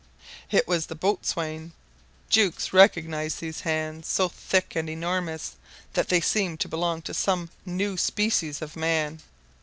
It was the boatswain. Jukes recognized these hands, so thick and enormous that they seemed to belong to some new species of man.